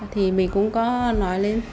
thì mình cũng có nói lên